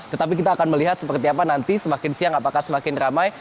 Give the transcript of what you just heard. tetapi kita akan melihat seperti apa nanti semakin siang apakah semakin ramai